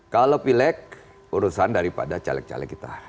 kalau pileg urusan daripada caleg caleg kita